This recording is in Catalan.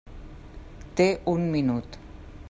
Té un minut.